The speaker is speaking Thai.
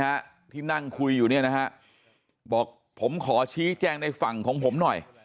ฮะที่นั่งคุยอยู่เนี่ยนะฮะบอกผมขอชี้แจงในฝั่งของผมหน่อย